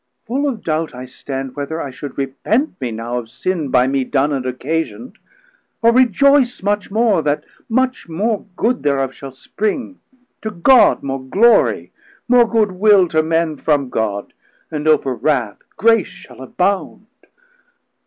full of doubt I stand, Whether I should repent me now of sin By mee done and occasiond, or rejoyce Much more, that much more good thereof shall spring, To God more glory, more good will to Men From God, and over wrauth grace shall abound.